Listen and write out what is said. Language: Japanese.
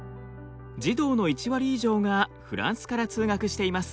児童の１割以上がフランスから通学しています。